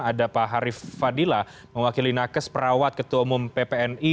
ada pak harif fadila mewakili nakes perawat ketua umum ppni